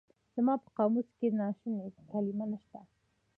زما په قاموس کې د ناشوني کلمه نشته.